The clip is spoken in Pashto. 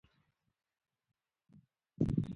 داسلامې حكومت دپيژندني لپاره به دابهتره وي